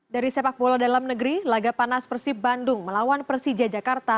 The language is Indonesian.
dari sepak bola dalam negeri laga panas persib bandung melawan persija jakarta